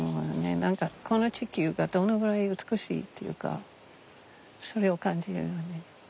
何かこの地球がどのぐらい美しいというかそれを感じるよね。